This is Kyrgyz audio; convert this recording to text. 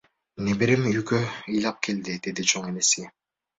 Неберем үйгө ыйлап келди, — деди чоң энеси.